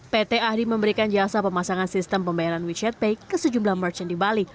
pt ahdi memberikan jasa pemasangan sistem pembayaran wechat pay ke sejumlah merchant di bali